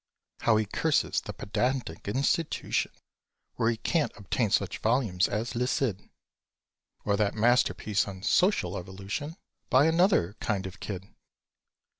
How he curses the pedantic institution Where he can't obtain such volumes as "Le Cid," Or that masterpiece on "Social Evolution" By another kind of Kidd!